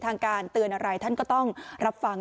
ทางการเตือนอะไรท่านก็ต้องรับฟัง